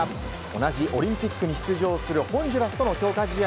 同じオリンピックに出場するホンジュラスとの強化試合。